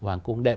hoàng cung đệm